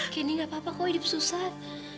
candy nggak apa apa kau hidup susah